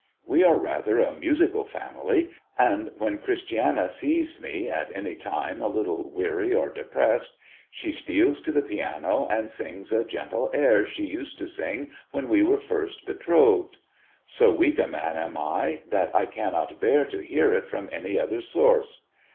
We are rather a musical family, and when Christiana sees me, at any time, a little weary or depressed, she steals to the piano and sings a gentle air she used to sing when we were first betrothed. So weak a man am I, that I cannot bear to hear it from any other source.